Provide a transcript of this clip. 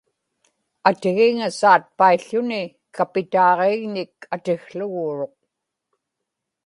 atigiŋa saatpał̣ł̣uni kapitaaġiigñik atikługuuruq